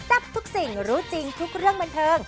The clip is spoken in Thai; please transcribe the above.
ทับทุกสิ่งรู้จริงทุกเรื่องบันเทิง